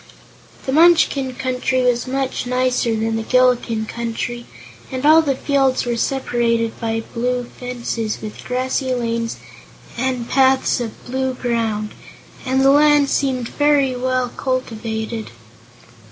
The Munchkin Country was much nicer than the Gillikin Country, and all the fields were separated by blue fences, with grassy lanes and paths of blue ground, and the land seemed well cultivated.